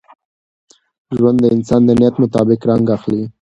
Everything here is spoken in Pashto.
ژوند د انسان د نیت مطابق رنګ اخلي.